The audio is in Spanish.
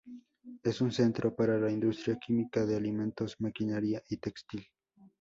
Es un centro para la industria química, de alimentos, maquinaria y textil.